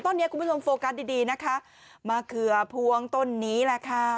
ตอนนี้คุณผู้ชมโฟกัสดีดีนะคะมะเขือพวงต้นนี้แหละค่ะ